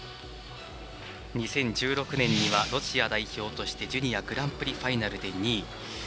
２０１６年にはロシア代表としてジュニアグランプリファイナルで２位。